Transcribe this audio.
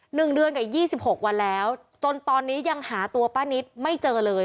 หนึ่งเดือนกับยี่สิบหกวันแล้วจนตอนนี้ยังหาตัวป้านิตไม่เจอเลย